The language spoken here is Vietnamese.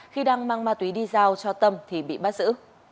khi đang mang ma túy đi giao cho tâm thì bị bắt giữ